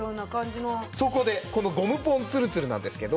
そこでこのゴムポンつるつるなんですけど。